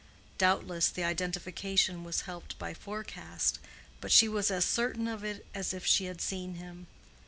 Doubtless the identification was helped by forecast, but she was as certain of it as if she had seen him.